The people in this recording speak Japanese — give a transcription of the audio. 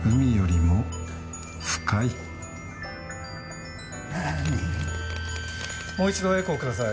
もう一度エコーください。